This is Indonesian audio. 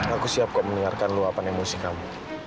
aku siap kok mendengarkan luapan emosi kamu